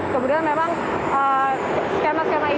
kemudian memang skema skema ini